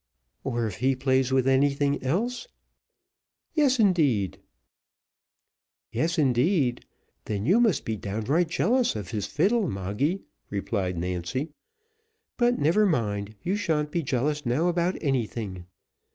"Or if he plays with anything else?" "Yes, indeed." "Yes, indeed! then you must be downright jealous of his fiddle, Moggy," replied Nancy; "but never mind, you sha'n't be jealous now about nothing.